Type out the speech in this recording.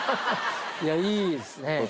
いやいいですね。